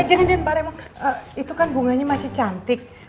eh jangan jangan pak remon itu kan bunganya masih cantik